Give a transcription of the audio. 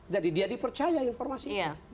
jadi dia dipercaya informasinya